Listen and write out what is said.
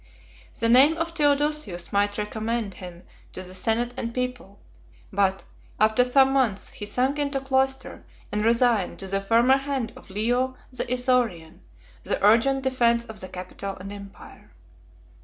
The name of Theodosius might recommend him to the senate and people; but, after some months, he sunk into a cloister, and resigned, to the firmer hand of Leo the Isaurian, the urgent defence of the capital and empire.